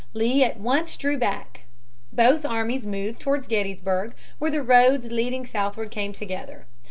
Lee at once drew back. Both armies moved toward Gettysburg, where the roads leading southward came together.